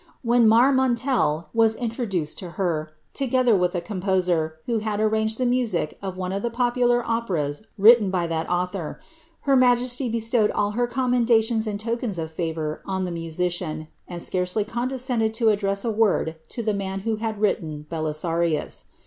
When Marmontel was introduced to her, together with the composer, who had amnged the music of one of the popular operas written by that author, bar majes^ bestowed all her commendations and tokens of &vour on the muaician, and scarcely condescended to address a word to the man who had written Belisanus.